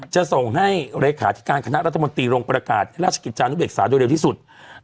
จะส่งให้เลขาธิการคณะรัฐมนตรีลงประกาศราชกิจจานุเบกษาโดยเร็วที่สุด